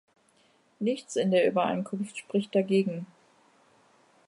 Nichts in der Übereinkunft spricht dagegen.